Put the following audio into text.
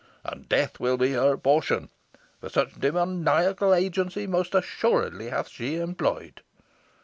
And death will be her portion, for such demoniacal agency most assuredly hath she employed."